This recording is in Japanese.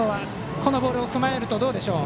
このボールを踏まえるとどうでしょう。